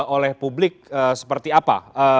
oleh publik seperti apa